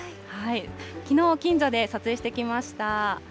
きのう、近所で撮影してきました。